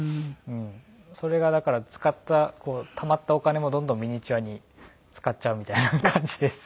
それがだから使ったたまったお金もどんどんミニチュアに使っちゃうみたいな感じです